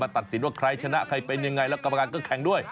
ตัดสินว่าใครชนะใครเป็นยังไงแล้วกรรมการก็แข่งด้วย